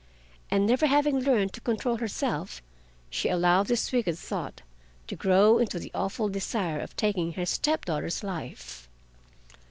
And never having learned to control herself, she allowed this wicked thought to grow into the awful desire of taking her step daughter's life.